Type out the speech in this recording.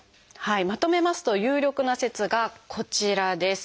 まとめますと有力な説がこちらです。